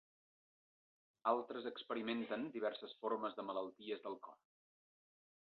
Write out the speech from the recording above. Altres experimenten diverses formes de malalties del cor.